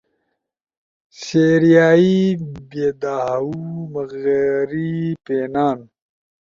سیرئیائی بیدھاؤ، مغری پینان